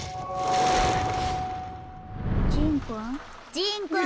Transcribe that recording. ジーンくん？